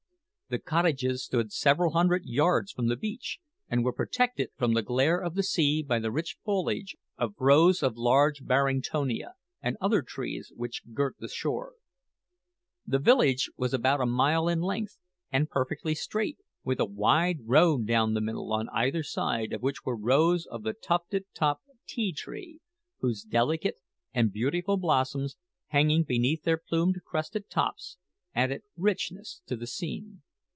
The cottages stood several hundred yards from the beach, and were protected from the glare of the sea by the rich foliage of rows of large Barringtonia and other trees which girt the shore. The village was about a mile in length, and perfectly straight, with a wide road down the middle, on either side of which were rows of the tufted topped ti tree, whose delicate and beautiful blossoms, hanging beneath their plume crested tops, added richness to the scene.